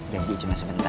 janji cuma sebentar